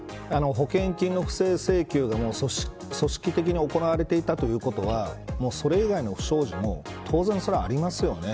保険金の不正請求が組織的に行われていたということはそれ以外の不祥事も当然それはありますよね。